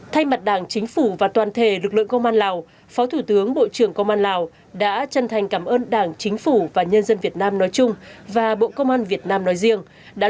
thay mặt đảng chính phủ và toàn thể lực lượng công an lào phó thủ tướng bộ trưởng công an lào đã chân thành cảm ơn đảng chính phủ và nhân dân việt nam nói chung và bộ công an việt nam nói riêng